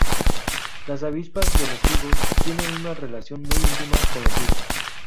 Las avispas de los higos tienen una relación muy íntima con los higos.